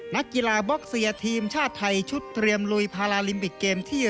นักกีฬาบล็อกเซียทีมชาติไทยชุดเตรียมลุยพาราลิมปิกเกมที่